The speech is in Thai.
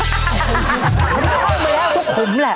ฉันเคยเข้าไปแล้วส่วนขุมแหละ